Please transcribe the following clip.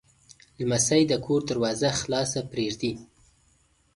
لمسی د کور دروازه خلاصه پرېږدي.